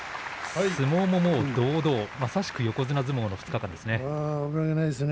相撲ももう堂々、まさしく横綱相撲の２日間ですね。